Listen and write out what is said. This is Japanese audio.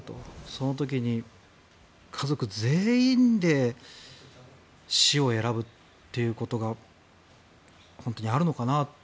その時に家族全員で死を選ぶっていうことが本当にあるのかな。